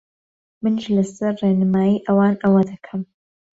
منیش لەسەر ڕێنمایی ئەوان ئەوە دەکەم